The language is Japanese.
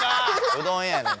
うどんやねん。